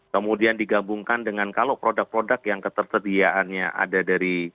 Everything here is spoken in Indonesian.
kemudian digabungkan dengan kalau produk produk yang ketersediaannya ada dari